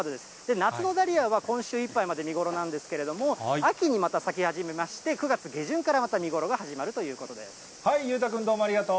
夏のダリアは今週いっぱいまで見頃なんですけれども、秋にまた咲き始めまして、９月下旬からまた見頃が始まるというこ裕太君、どうもありがとう。